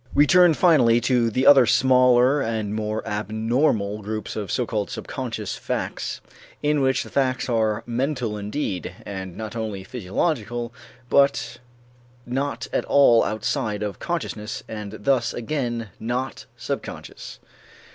We turn finally to the other smaller and more abnormal group of so called subconscious facts in which the facts are mental indeed and not only physiological, but not at all outside of consciousness and thus again not subconscious.